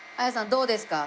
どうですか？